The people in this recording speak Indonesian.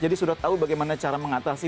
jadi sudah tahu bagaimana cara mengatasi